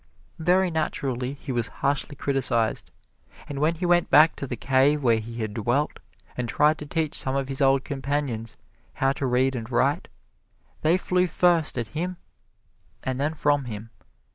Very naturally, he was harshly criticized, and when he went back to the cave where he had dwelt and tried to teach some of his old companions how to read and write, they flew first at him, and then from him.